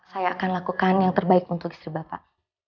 saya akan lakukan yang terbaik untuk istri bapak